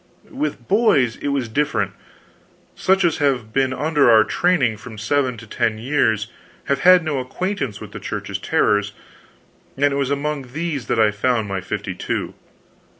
With boys it was different. Such as have been under our training from seven to ten years have had no acquaintance with the Church's terrors, and it was among these that I found my fifty two.